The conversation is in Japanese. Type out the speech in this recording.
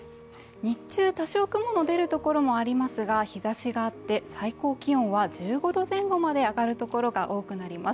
日中、多少、雲の出るところもありますが、日ざしがあって最高気温は１５度前後まで上がるところが多くなります。